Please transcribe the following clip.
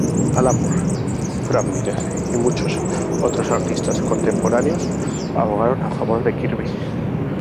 Alan Moore, Frank Miller, y muchos otros artistas contemporáneos abogaron a favor de Kirby.